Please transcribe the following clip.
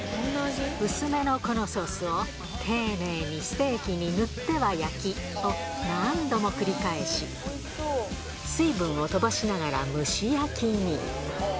薄めのこのソースを、丁寧にステーキに塗っては焼きを何度も繰り返し、水分を飛ばしながら蒸し焼きに。